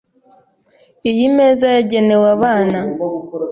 Iyi meza yagenewe abana .